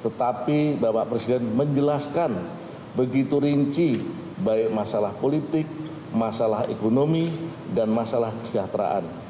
tetapi bapak presiden menjelaskan begitu rinci baik masalah politik masalah ekonomi dan masalah kesejahteraan